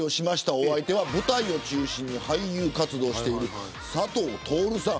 お相手は舞台を中心に俳優活動をしている佐藤達さん。